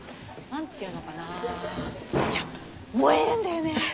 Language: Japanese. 何て言うのかないや燃えるんだよね！